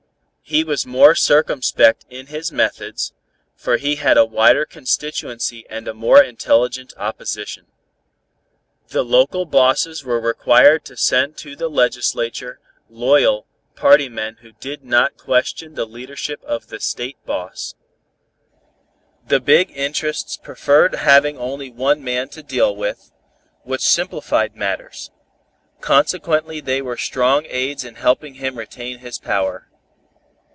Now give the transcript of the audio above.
He was more circumspect in his methods, for he had a wider constituency and a more intelligent opposition. The local bosses were required to send to the legislature "loyal" party men who did not question the leadership of the State boss. The big interests preferred having only one man to deal with, which simplified matters; consequently they were strong aids in helping him retain his power.